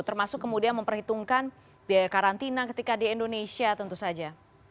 termasuk kemudian memperhitungkan biaya karantina ketika di indonesia tentu saja